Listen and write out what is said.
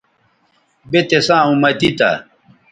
بے تِساں اُمتی تھا